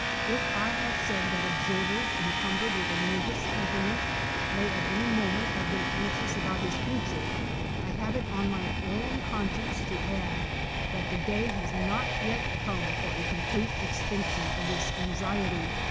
If I have said that observers en cumbered with a nervous temperament may at any moment have been anxious about his future, I have it on my con science to add that the day has not yet come for a complete extinction of this anxiety.